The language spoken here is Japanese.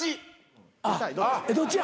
どっちや？